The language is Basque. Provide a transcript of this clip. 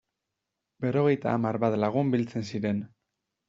Berrogeita hamar bat lagun biltzen ziren.